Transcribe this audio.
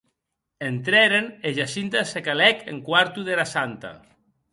Entrèren e Jacinta se calèc en quarto dera santa.